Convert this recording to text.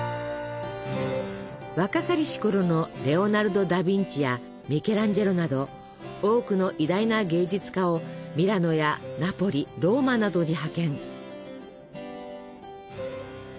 若かりしころのレオナルド・ダ・ヴィンチやミケランジェロなど多くの偉大な芸術家をミラノやナポリローマなどに派遣。